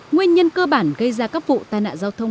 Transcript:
nguyên nhân cơ bản gây ra các vụ tai nạn giao thông